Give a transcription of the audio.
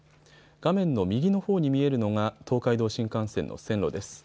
画面の右のほうに見えるのが東海道新幹線の線路です。